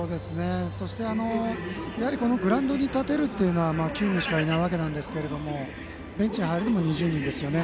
そして、やはりこのグラウンドに立てるのは９人しかいないわけですしベンチに入れるのも２０人ですよね。